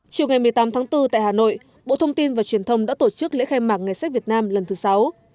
chiều ngày một mươi tám tháng bốn tại hà nội bộ thông tin và truyền thông đã tổ chức lễ khai mạc ngày sách việt nam lần thứ sáu